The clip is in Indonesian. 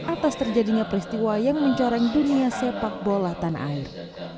atas terjadinya peristiwa yang mencoreng dunia sepak bola tanah air